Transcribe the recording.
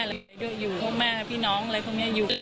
พูดสิทธิ์ข่าวธรรมดาทีวีรายงานสดจากโรงพยาบาลพระนครศรีอยุธยาครับ